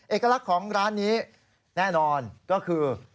เอกลักษณ์ของร้านนี้แน่นอนก็คือ